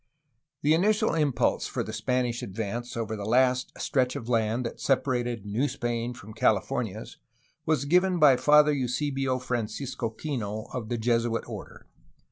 The initial impulse for the Spanish advance over the last stretch of land that separated New Spain from the Califor nias was given by Father Eusebio Francisco Kino of the Jesuit order.